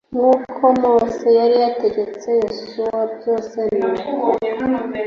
nk uko mose yari yategetse yosuwa byose nuko